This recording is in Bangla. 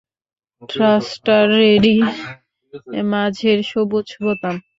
থ্রাস্টার রেডি, মাঝের সবুজ বোতাম।